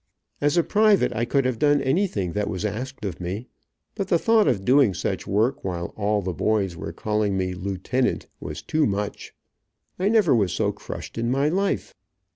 As a private I could have done anything that was asked of me, but the thought of doing such work, while all the boys were calling me "Lieutenant," was too much. I never was so crushed in my life.